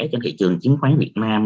trên thị trường chiếm khoán việt nam